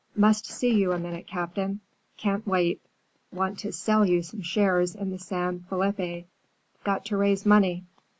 "Must see you a minute, Captain. Can't wait. Want to sell you some shares in the San Felipe. Got to raise money."